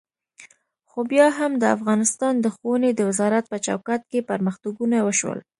خو بیا هم د افغانستان د ښوونې د وزارت په چوکاټ کې پرمختګونه وشول.